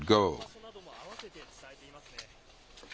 避難場所なども併せて伝えていますね。